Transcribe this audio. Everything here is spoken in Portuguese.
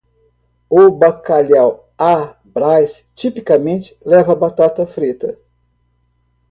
O bacalhau à Brás tipicamente leva batata frita.